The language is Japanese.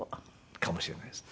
かもしれないですね。